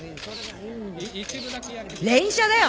連写だよ！